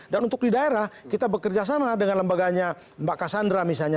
dan untuk di daerah kita bekerja sama dengan lembaganya mbak cassandra misalnya